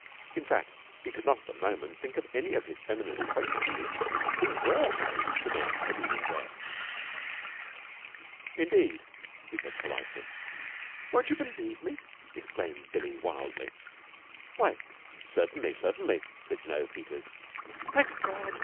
In fact, he could not at the moment think of any of his feminine acquaintances who were married to men at Ealing West. "Indeed?" he said politely. "Won't you believe me?" exclaimed Billie wildly. "Why, certainly, certainly," said Jno. Peters. "Thank God!"